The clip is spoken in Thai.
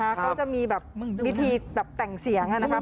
เขาจะมีแบบวิธีแบบแต่งเสียงนะครับ